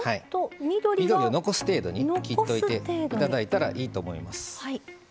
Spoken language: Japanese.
緑を残す程度に切り取っていただいたらいいと思います。